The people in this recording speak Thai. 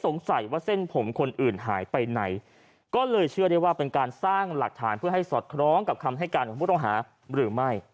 สงสัยว่าเส้นผมคนอื่นหายไปไหนก็เลยเชื่อได้ว่าเป็นการสร้างหลักฐานเพื่อให้สอดคล้องกับคำให้การของผู้ต้องหาหรือไม่